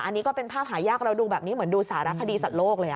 อันนี้ก็เป็นภาพหายากเราดูแบบนี้เหมือนดูสารคดีสัตว์โลกเลย